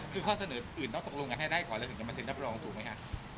คือข้อเสนออื่นต้องตกลงกันให้ได้ก่อนแล้วถึงจะมาเซ็นรับรองถูกไหมฮะ